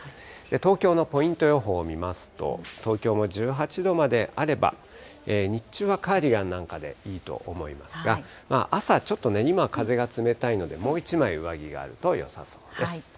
東京のポイント予報を見ますと、東京も１８度まであれば、日中はカーディガンなどでいいと思いますが、朝、ちょっとね、今風が冷たいので、もう１枚、上着があるとよさそうです。